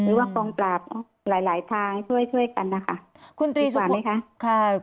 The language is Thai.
หรือว่าปรองปราบหลายทางช่วยกันนะคะ